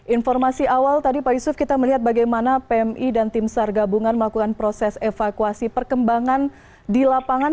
informasi awal tadi pak yusuf kita melihat bagaimana pmi dan tim sar gabungan melakukan proses evakuasi perkembangan di lapangan